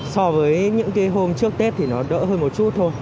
so với những cái hôm trước tết thì nó đỡ hơn một chút thôi